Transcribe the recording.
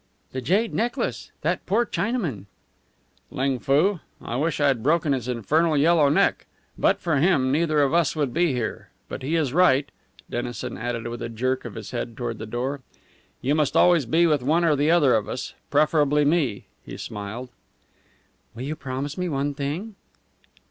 "The jade necklace. That poor Chinaman!" "Ling Foo? I wish I had broken his infernal yellow neck! But for him neither of us would be here. But he is right," Dennison added, with a jerk of his head toward the door. "You must always be with one or the other of us preferably me." He smiled. "Will you promise me one thing?"